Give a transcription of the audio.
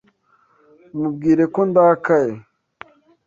Mubwire ko ndakaye.